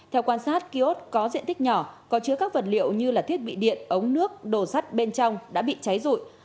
theo quan sát kiosk có diện tích nhỏ có chứa các vật liệu như thiết bị điện ống nước đồ sắt bên trong đã bị cháy rụi